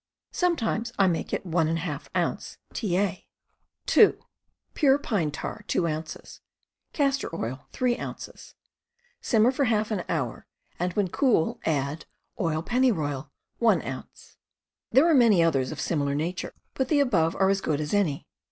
Sometimes I make it 1^ oz. ta^. PESTS OF THE WOODS 169 (2) Pure pine tar 2 ounces, Castor oil 3 " Simmer for half an hour, and when cool add Oil pennyroyal 1 ounce. There are many others of similar nature, but the above are as good as any